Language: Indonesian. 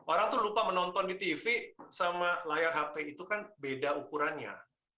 orang tuh lupa menonton di tv sama layar hp itu kan beda ukurannya